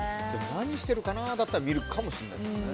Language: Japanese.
何してるかなだったら見るかもしれないですね。